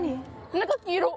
中黄色！